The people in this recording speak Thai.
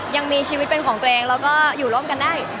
ยังมีชีวิตเป็นของตัวเองแล้วก็อยู่ร่วมกันได้